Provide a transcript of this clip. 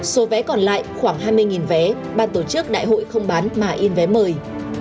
số vé còn lại khoảng hai mươi vé ban tổ chức đại hội không bán mà yên vé mời